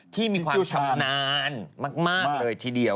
ที่มีความชำนาญมากเลยทีเดียว